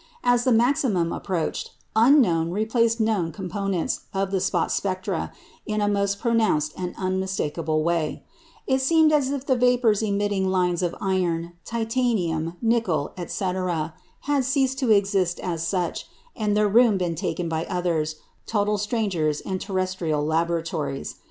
As the maximum approached, unknown replaced known components of the spot spectra in a most pronounced and unmistakable way. It seemed as if the vapours emitting lines of iron, titanium, nickel, etc., had ceased to exist as such, and their room been taken by others, total strangers in terrestrial laboratories.